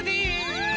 うん！